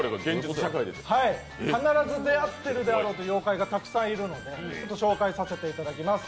必ず出会っているであろうという妖怪がたくさんいるので、紹介させていただきます。